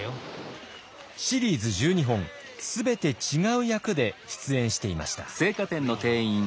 シリーズ１２本全て違う役で出演していました。